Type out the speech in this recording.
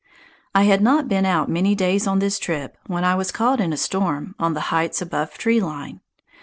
I had not been out many days on this trip when I was caught in a storm on the heights above tree line.